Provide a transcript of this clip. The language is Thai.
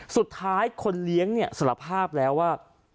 สุดท้ายคนเลี้ยงสารภาพแล้วว่า